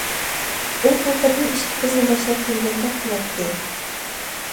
ئۇ بۇ قېتىم ئىككى قىزنى باشلاپ كىرگەندەك قىلاتتى.